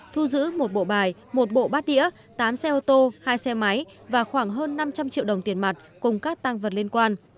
thu giữ một bộ bài một bộ bát đĩa tám xe ô tô hai xe máy và khoảng hơn năm trăm linh triệu đồng tiền mặt cùng các tăng vật liên quan